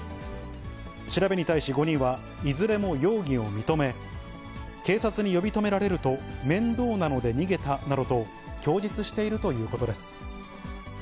調べに対し５人は、いずれも容疑を認め、警察に呼び止められると面倒なので逃げたなどと、供述しているということです。